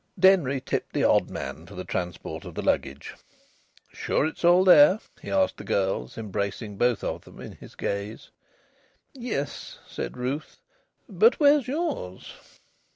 Denry tipped the odd man for the transport of the luggage. "Sure it's all there?" he asked the girls, embracing both of them in his gaze. "Yes," said Ruth, "but where's yours?"